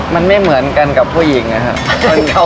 มันไม่เหมือนกันกับผู้หญิงนะครับ